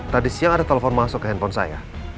tadi siang ada telepon masuk ke handphone saya